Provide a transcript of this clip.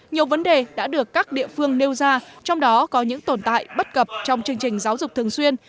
nhiều vấn đề đã được các địa phương nêu ra trong đó có những tồn tại bất cập trong chương trình giáo dục thường xuyên